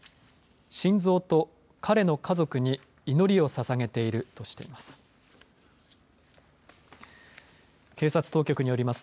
晋三と彼の家族に祈りをささげているとしています。